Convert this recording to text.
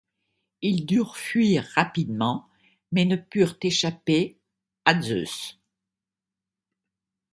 Ils durent fuir rapidement, mais ne purent échapper à Zeus.